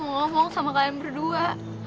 gue mau ngomong sama kalian berdua